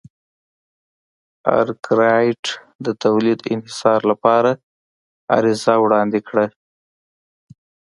ارکرایټ د تولید انحصار لپاره عریضه وړاندې کړه.